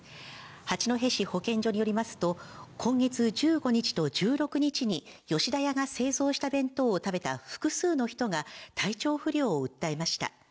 八戸市保健所によりますと、今月１５日と１６日に吉田屋が製造した弁当を食べた複数の人が、体調不良を訴えました。